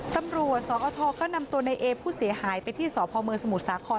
ตำรวจสอทก็นำตัวในเอผู้เสียหายไปที่สพมสมุทรสาคร